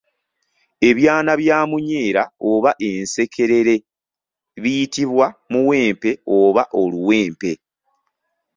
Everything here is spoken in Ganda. Ebyana bya munyeera oba ensekerere biyitibwa Muwempe oba Oluwempe.